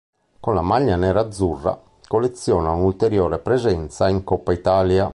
Con la maglia nerazzurra colleziona un'ulteriore presenza in Coppa Italia.